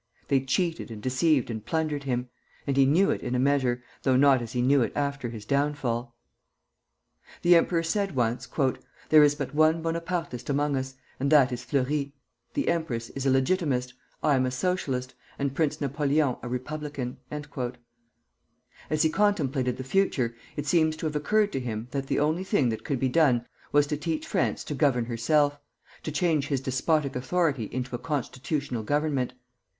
They cheated and deceived and plundered him; and he knew it in a measure, though not as he knew it after his downfall. The emperor said once: "There is but one Bonapartist among us, and that is Fleury. The empress is a Legitimist, I am a Socialist, and Prince Napoleon a Republican." As he contemplated the future, it seems to have occurred to him that the only thing that could be done was to teach France to govern herself, to change his despotic authority into a constitutional government.